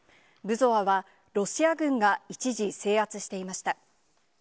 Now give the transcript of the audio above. ブゾワは、ロシア軍が一時制圧していました。